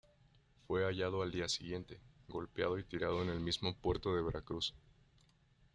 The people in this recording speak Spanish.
Fue hallado al día siguiente, golpeado y tirado en el mismo puerto de Veracruz.